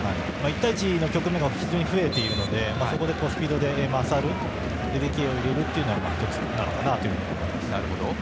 １対１の局面が非常に増えているのでそこでスピードで勝るエゼキエウを入れるというのが１つなのかなと思います。